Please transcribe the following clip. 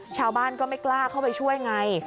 ชาวบ้านก็ไม่กล้าเข้าไปช่วยไง